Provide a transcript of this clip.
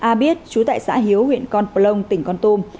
a biết chú tại xã hiếu huyện con plông tỉnh con tum